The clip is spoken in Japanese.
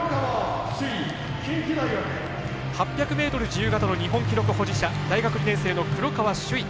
８００ｍ自由形の日本記録保持者大学２年生の黒川紫唯。